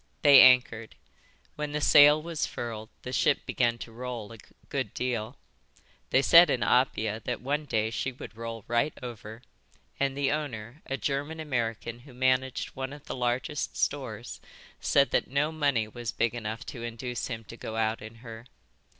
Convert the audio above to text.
They anchored. When the sail was furled the ship began to roll a good deal. They said in Apia that one day she would roll right over; and the owner, a German American who managed one of the largest stores, said that no money was big enough to induce him to go out in her.